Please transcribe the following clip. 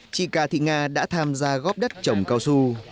chị cà thị nga đã tham gia góp đất trồng cao su